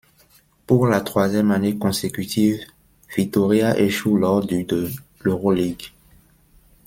Pour la troisième année consécutive, Vitoria échoue lors du de l'Euroligue.